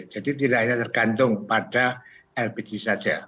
tidak hanya tergantung pada lpg saja